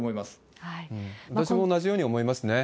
私も同じように思いますね。